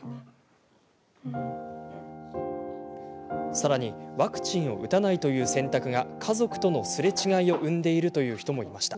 さらにワクチンを打たないという選択が家族とのすれ違いを生んでいるという人もいました。